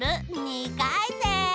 ２かいせん！